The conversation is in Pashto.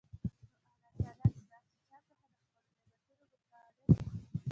نو الله تعالی د داسي چا څخه د خپلو نعمتونو متعلق